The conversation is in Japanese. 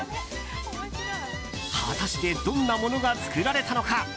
果たしてどんなものが作られたのか？